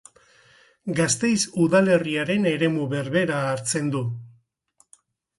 Gasteiz udalerriaren eremu berbera hartzen du.